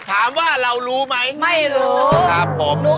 ถามว่าเรารู้ไหมไม่รู้ครับผม